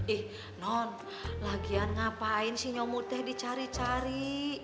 ih nol lagian ngapain si nyomuteh dicari cari